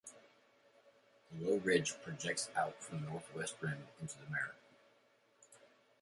A low ridge projects out from the northwest rim into the mare.